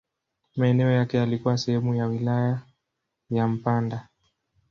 Maeneo yake yalikuwa sehemu ya wilaya ya Mpanda.